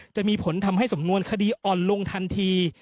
จะมีผลทำให้สำนวนคดีอ่อนลงทันที